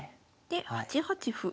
で８八歩。